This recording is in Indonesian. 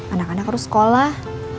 anak anak harus sekolah